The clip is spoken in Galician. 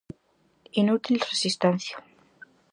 Inútil resistencia.